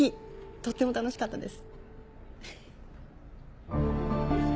とっても楽しかったです。